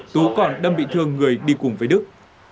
tú còn đâm bị thương người đi cùng với đức